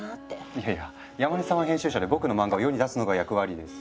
いやいや山根さんは編集者で僕のマンガを世に出すのが役割です。